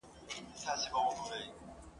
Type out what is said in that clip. پداسي حال کي چي دوی به نپوهيږي.